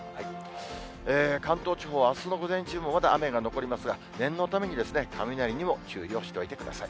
関東地方はあすの午前中もまだ雨が残りますが、念のために、雷にも注意をしておいてください。